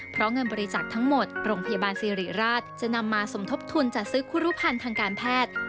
เพราะเงินบริจาคทั้งหมดโรงพยาบาลสิริราชจะนำมาสมทบทุนจัดซื้อคุรุพันธ์ทางการแพทย์